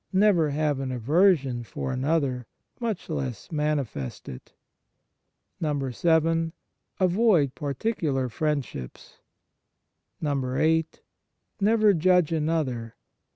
Never have an aversion for another, much less manifest it. 7. Avoid particular friendships. 8. Never judge another.